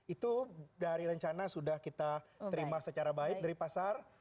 itu dari rencana sudah kita terima secara baik dari pasar